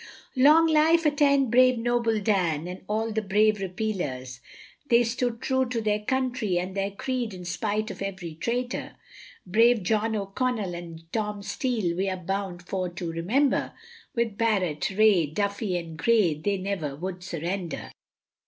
Long life attend brave noble Dan, and all the brave Repealers, They stood true to their country and their creed in spite of every traitor; Brave John O'Connell and Tom Steele we are bound for to remember, With Barrat, Ray, Duffy and Gray, they never would surrender.